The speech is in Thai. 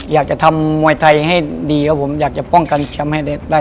มันไม่มีใครได้เป็นแชมป์ง่ายง่ายครับผมก็ถือว่าก็พลาดภูมิใจอีกครับผม